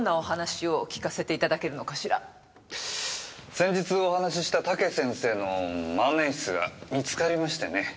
先日お話しした武先生の万年筆見つかりましてね。